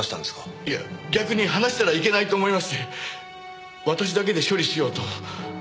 いや逆に話したらいけないと思いまして私だけで処理しようと。